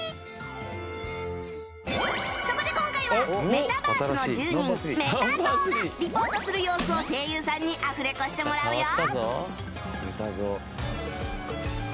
そこで今回はメタバースの住人メタ蔵がリポートする様子を声優さんにアフレコしてもらうよ